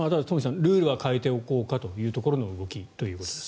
ルールは変えておこうかというところの動きということです。